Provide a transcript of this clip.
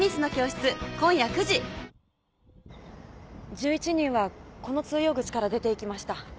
１１人はこの通用口から出ていきました。